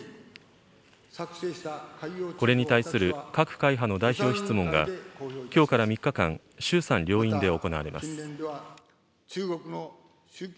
これに対する各会派の代表質問が、きょうから３日間、衆参両院で行われます。